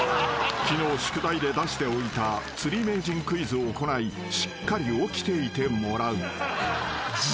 ［昨日宿題で出しておいた釣り名人クイズを行いしっかり起きていてもらう］